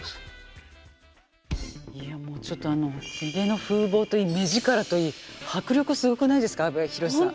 いやもうちょっとあのひげの風貌といい目力といい迫力すごくないですか阿部寛さん。